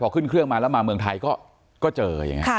พอขึ้นเครื่องมาแล้วมาเมืองไทยก็เจออย่างนี้